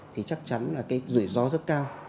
thì chắc chắn là cái rủi ro rất cao